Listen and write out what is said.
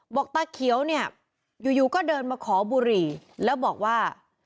ตาเขียวเนี่ยอยู่ก็เดินมาขอบุหรี่แล้วบอกว่า